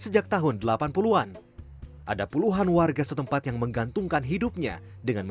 jauh sebelum menjadi objek wisata tebing breksi merupakan area tambangannya